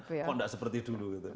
kok tidak seperti dulu